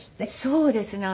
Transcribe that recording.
そうですね。